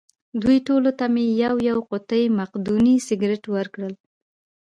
دوی ټولو ته مې یوه یوه قوطۍ مقدوني سګرېټ ورکړل.